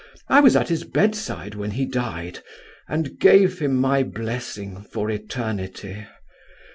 I was at his bedside when he died, and gave him my blessing for eternity.